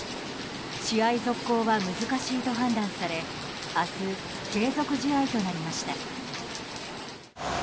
試合続行は難しいと判断され明日、継続試合となりました。